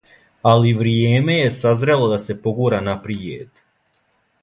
Али вријеме је сазрело да се погура напријед.